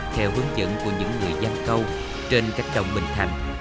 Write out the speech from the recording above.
theo hướng dẫn của những người giam câu trên cách đồng bình thành